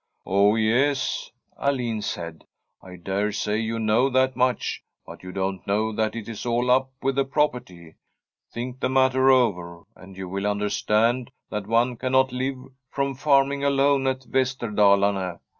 Oh yes/ Alin said, ' I dare say you know that much, but you don't know that it is all up with the property. Think the matter over, and you will understand that one cannot live from farm ing alone at Vesterdalarne.